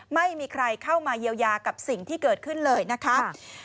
ไม่มีใครเข้ามาเยียวยากับสิ่งที่เกิดขึ้นเลยนะครับ